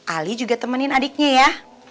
ali juga temenin adiknya ya